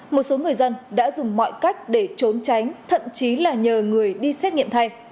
một số người dân đã dùng mọi cách để trốn tránh thậm chí là nhờ người đi xét nghiệm thay